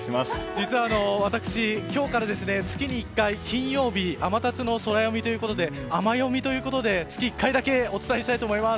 実は私、今日から月に一回金曜日天達のソラよみということであまヨミということで月１回だけお伝えしたいと思います。